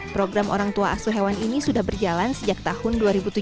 program orang tua asuh hewan ini sudah berjalan sejak tahun dua ribu tujuh belas